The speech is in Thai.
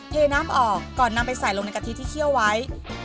เทน้ำออกก่อนนำไปใส่ลงในกะทิที่เคี่ยวไว้